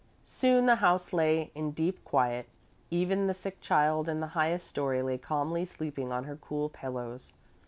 Soon the house lay in deep quiet: even the sick child in the highest story lay calmly sleeping on her cool pillows.